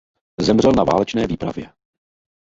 Zemřel na válečné výpravě.